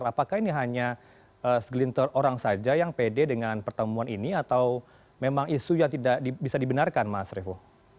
apakah ini hanya segelintir orang saja yang pede dengan pertemuan ini atau memang isu yang tidak bisa dibenarkan mas revo